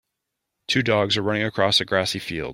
Two dogs are running across a grassy field.